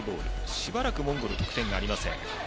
しばらくモンゴル、得点がありません。